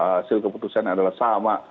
hasil keputusan adalah sama